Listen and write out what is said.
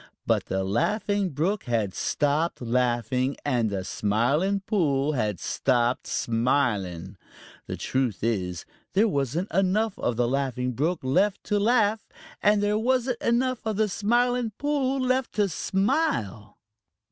But the Laughing Brook had stopped laughing, and the Smiling Pool had stopped smiling. The truth is there wasn't enough of the Laughing Brook left to laugh, and there wasn't enough of the Smiling Pool left to smile.